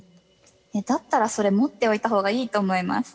だったらそれ持っておいたほうがいいと思います。